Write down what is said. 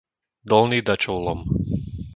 Dolný Dačov Lom